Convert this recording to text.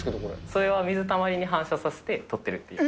それは水たまりに反射させて撮ってるっていう。